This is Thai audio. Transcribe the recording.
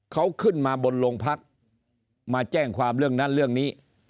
เขาขึ้นมาบนโรงพักมาแจ้งความเรื่องนั้นเรื่องนี้